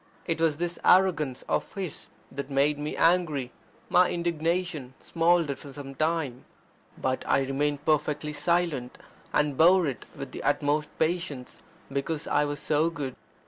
It was this arrogance of his that made me angry. My indignation smouldered for some time. But I remained perfectly silent, and bore it with the utmost patience, because I was so good.